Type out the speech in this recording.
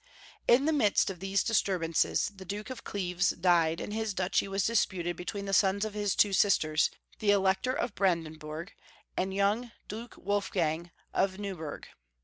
In the midst of these disturbances the Duke of Cleves died, and liis duchy was disputed between the sons of his two sisters — the Elector of Bran denburg and young Duke Wolfgang of Neuburg.